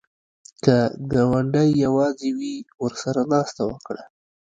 که ګاونډی یواځې وي، ورسره ناسته وکړه